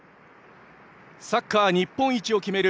サッカー日本一を決める